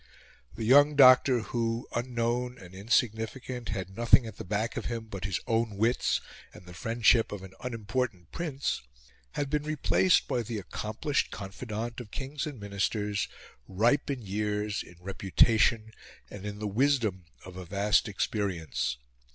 The young doctor who, unknown and insignificant, had nothing at the back of him but his own wits and the friendship of an unimportant Prince, had been replaced by the accomplished confidant of kings and ministers, ripe in years, in reputation, and in the wisdom of a vast experience.